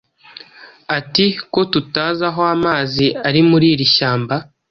ati «Ko tutazi aho amazi ari muri iri shyamba,